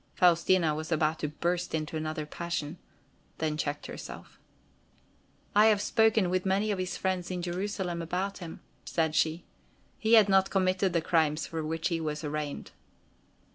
Faustina was about to burst into another passion—then checked herself. "I have spoken with many of his friends in Jerusalem about him," said she. "He had not committed the crimes for which he was arraigned."